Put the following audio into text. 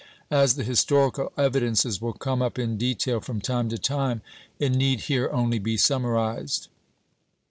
As the historical evidences will come up in detail from time to time, it need here only be summarized.